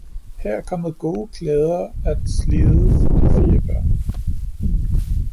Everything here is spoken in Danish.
Her er kommet gode klæder at slide for de fire børn